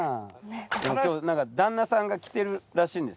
今日旦那さんが来てるらしいんですよ